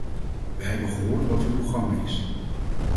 Wij hebben gehoord wat uw programma is.